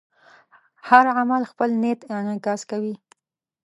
هر عمل خپل نیت انعکاس کوي.